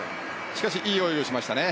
しかし、いい泳ぎをしましたね。